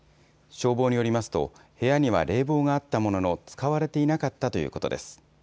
消防によりますと、部屋には冷房があったものの使われていなかったということです。